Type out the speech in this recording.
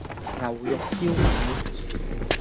牛肉燒賣